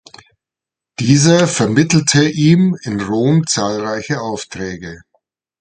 Dieser vermittelte ihm in Rom zahlreiche Aufträge.